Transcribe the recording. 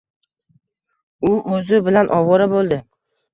U o’zi bilan ovora bo’ldi.